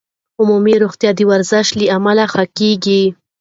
عمومي روغتیا د ورزش له امله ښه کېږي.